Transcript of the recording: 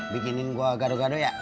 bikinin gua gaduh gaduh ya